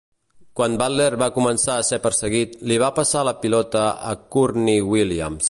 Quan Butler va començar a ser perseguit, li va passar la pilota a Courtney Williams.